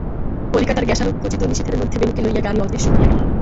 কলিকাতার গ্যাসালোকখচিত নিশীথের মধ্যে বেণুকে লইয়া গাড়ি অদৃশ্য হইয়া গেল।